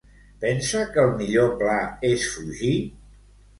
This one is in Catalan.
Pensa que el millor pla és fugir?